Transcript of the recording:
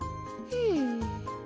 うん。